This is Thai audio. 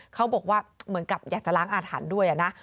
เขาบอกว่าเหมือนกับอยากจะล้างอาถรรพ์ด้วยนะ